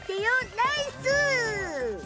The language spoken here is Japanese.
ナイス！